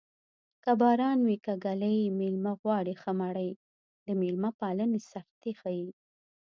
که باران وي که ږلۍ مېلمه غواړي ښه مړۍ د مېلمه پالنې سختي ښيي